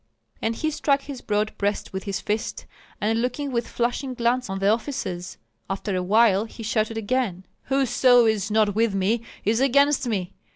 And he struck his broad breast with his fist, and looking with flashing glance on the officers, after a while he shouted again: "Whoso is not with me is against me!